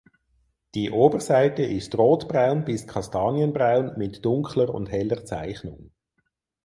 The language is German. Die Oberseite ist rotbraun bis kastanienbraun mit dunkler und heller Zeichnung.